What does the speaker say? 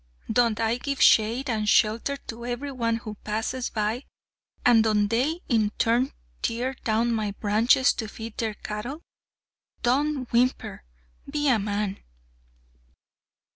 Don't I give shade and shelter to every one who passes by, and don't they in return tear down my branches to feed their cattle? Don't whimper be a man!"